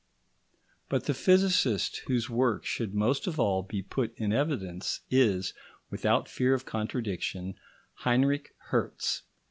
But the physicist whose work should most of all be put in evidence is, without fear of contradiction, Heinrich Hertz.